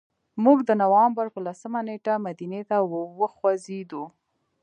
موږ د نوامبر په لسمه نېټه مدینې ته وخوځېدو.